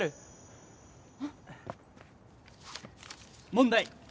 問題。